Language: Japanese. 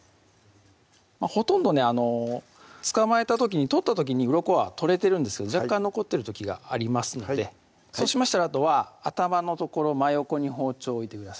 ほとんどね取った時にうろこは取れてるんですけど若干残ってる時がありますのでそうしましたらあとは頭の所真横に包丁置いてください